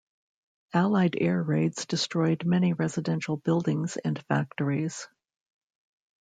Allied air raids destroyed many residential buildings and factories.